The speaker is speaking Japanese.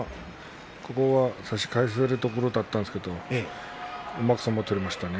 ここは差し替えされるところだったんですがうまく取りましたね。